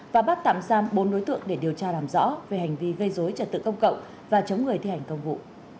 và bắt tạm giam bốn đối tượng để điều tra làm rõ về hành vi gây dối trật tự công cộng và chống người thi hành công vụ